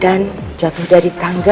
dan jatuh dari tangga